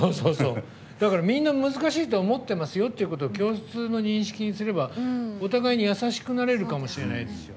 みんな難しいと思ってますよっていうことを共通の認識にすればお互いに、優しくなれるかもしれないですよ。